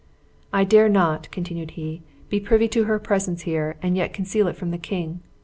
"I dare not," continued he, "be privy to her presence here, and yet conceal it from the king.